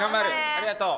ありがとう。